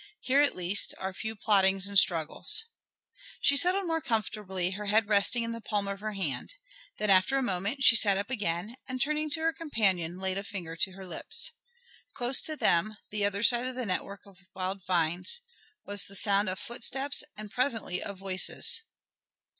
"Here at least are few plottings and struggles." She settled more comfortably, her head resting in the palm of her hand. Then, after a moment, she sat up again and, turning to her companion, laid a finger to her lips. Close to them, the other side of the network of wild vines, was the sound of footsteps and presently of voices.